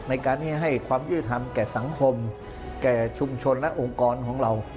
ในการที่ให้ความยุติธรรมแก่สังคมแก่ชุมชนและองค์กรของเรา